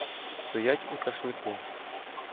Стоять у Ташлику.